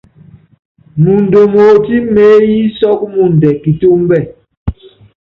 Mɔɔnd omotí meéyí sɔ́k mɔɔndɛ kitúmbɛ́.